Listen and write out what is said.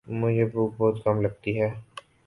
مجھے بھوک بہت کم لگتی ہے